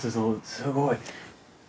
すごい。